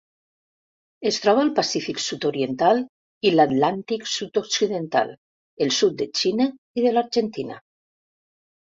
Es troba al Pacífic sud-oriental i l'Atlàntic sud-occidental: el sud de Xile i de l'Argentina.